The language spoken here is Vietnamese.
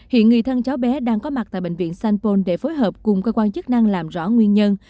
hiện người thân cháu bé đang có mặt tại bệnh viện sanh pôn để phối hợp cùng cơ quan chức năng làm rõ nguyên nhân